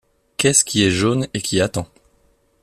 Qu'est-ce qui est jaune et qui attend ?